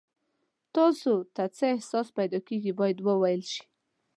تاسو ته څه احساس پیدا کیږي باید وویل شي.